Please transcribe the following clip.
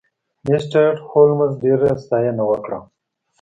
لیسټرډ د هولمز ډیره ستاینه وکړه.